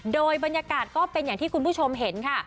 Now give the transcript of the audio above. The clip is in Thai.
โดยบรรยากาศก็เป็นอย่างที่คุณผู้ชมเห็นค่ะ